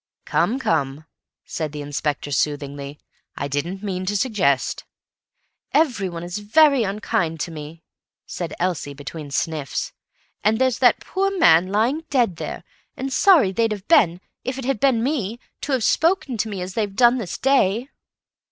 "Come, come," said the Inspector soothingly, "I didn't mean to suggest—" "Everyone is very unkind to me," said Elsie between sniffs, "and there's that poor man lying dead there, and sorry they'd have been, if it had been me, to have spoken to me as they have done this day."